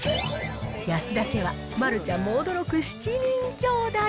安田家は丸ちゃんも驚く７人きょうだい。